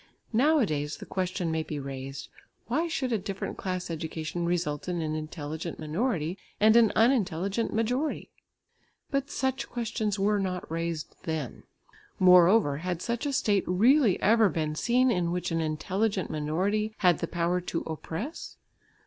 Nowadays the question may be raised, "Why should a different class education result in an intelligent minority and an unintelligent majority?" But such questions were not raised then. Moreover had such a state really ever been seen in which an intelligent minority had the power to "oppress"?